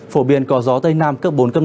phổ biến có gió tây nam cấp bốn năm